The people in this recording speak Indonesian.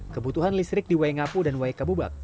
kebutuhan listrik di waingapu dan waikabubak